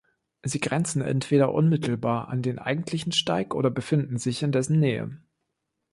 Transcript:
Sie grenzen entweder unmittelbar an den eigentlichen Steig oder befinden sich in dessen Nähe.